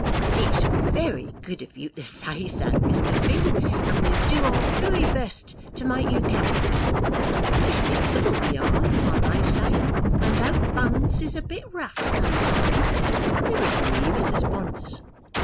"It's very good of you to say so, Mr. Finn, and we'll do our very best to make you comfortable. Respectable we are, I may say; and though Bunce is a bit rough sometimes " "Never to me, Mrs. Bunce."